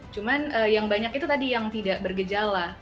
cuma yang banyak itu tadi yang tidak bergejala